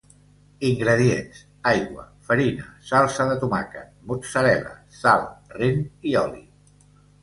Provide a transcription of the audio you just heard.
Ingredients: aigua, farina, salsa de tomàquet, mozzarella, sal, rent i oli.